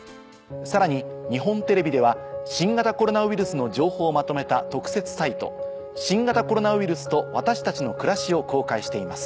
さらに日本テレビでは新型コロナウイルスの情報をまとめた。を公開しています。